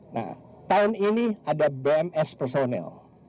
nah tahun ini ada bms personel